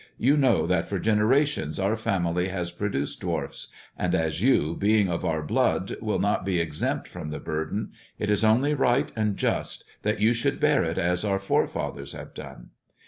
" You know that for generations our family has produced dwarfs, and as you, being of our blood, will not be exempt from the burden, it is only right and just that you should bear it as our forefathers have done.